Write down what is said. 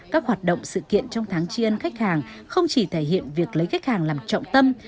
các hoạt động sự kiện trong tháng tri ân khách hàng không chỉ thể hiện việc lấy khách hàng làm trọng tâm